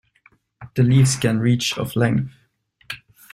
The leaves can reach of length.